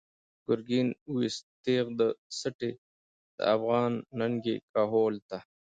“گرگین” ویوست تیغ د سټی، د افغان ننگی کهول ته